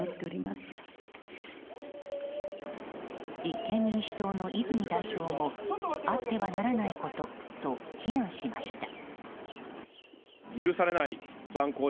立憲民主党の泉代表もあってはならないことと非難しました。